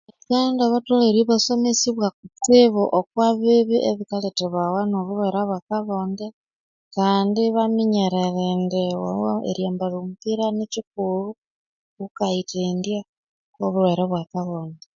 Abandu batholere ibasomesibwa kutsibu okwabibi ebikalethebawa nobulhwere bwa kabonde kandi ibaminyerera indi obaa eryambalha omupira nikikulhu ghukayithendya obulhwere bwa kabonde...i